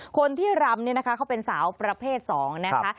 คนที่รำเนี่ยนะคะเขาเป็นสาวประเภท๒นะคะ